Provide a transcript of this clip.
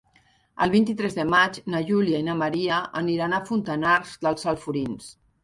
El vint-i-tres de maig na Júlia i na Maria aniran a Fontanars dels Alforins.